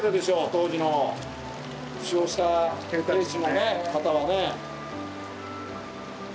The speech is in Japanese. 当時の負傷した兵士の方はね。